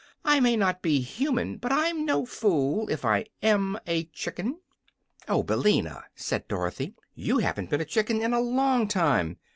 "I may not be human, but I'm no fool, if I AM a chicken." "Oh, Billina!" said Dorothy, "you haven't been a chicken in a long time.